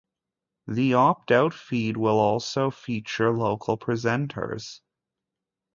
The opt-out feed will also feature local presenters.